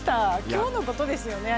今日のことですよね